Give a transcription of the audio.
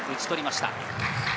打ち取りました。